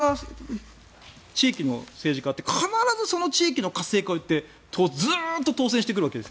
そういった地域の政治家って必ずその地域の活性化を言ってずっと当選してくるわけです。